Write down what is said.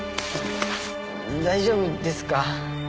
大丈夫ですか？